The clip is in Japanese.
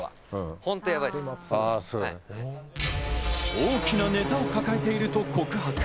大きなネタを抱えていると告白。